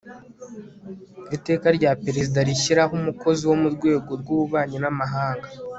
Iteka rya Perezida rishyiraho umukozi wo mu rwego rw ububanyi n amahanga